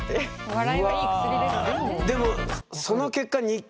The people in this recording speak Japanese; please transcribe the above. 笑いはいい薬ですけどね。